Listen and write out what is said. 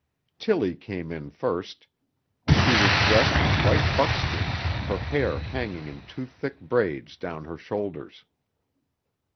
Tillie came in first. She was dressed in white buckskin, her hair hanging in two thick braids down her shoulders.